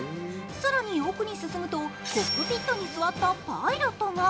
更に奥に進むとコックピットに座ったパイロットが。